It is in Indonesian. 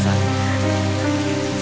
jangan lupa menolong universitas